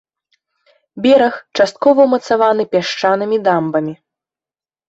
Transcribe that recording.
Бераг часткова ўмацаваны пясчанымі дамбамі.